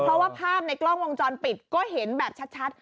เพราะว่าภาพในกล้องวงจรปิดก็เห็นแบบชัด